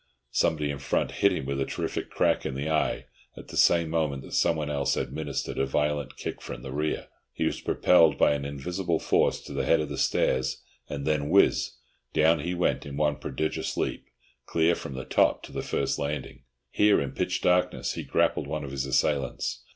Somebody in front hit him a terrific crack in the eye at the same moment that someone else administered a violent kick from the rear. He was propelled by an invisible force to the head of the stairs, and then—whizz! down he went in one prodigious leap, clear from the top to the first landing. Here, in pitch darkness, he grappled one of his assailants.